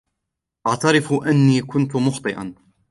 أعترف أني كنت مخطئًا.